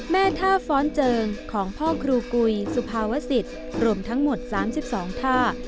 แม่ท่าฟ้อนเจิงของพ่อครูกุยสุภาวสิทธิ์รวมทั้งหมด๓๒ท่า